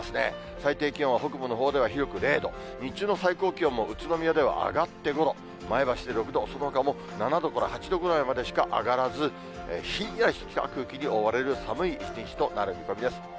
最低気温は北部のほうでは広く０度、日中の最高気温も宇都宮では上がって５度、前橋で６度、そのほかも７度から８度ぐらいまでしか上がらず、ひんやりした空気に覆われる、寒い一日となる見込みです。